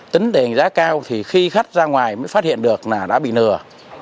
tính tiền giá cao thì khi khách ra ngoài mới phát hiện được là đã bị nửa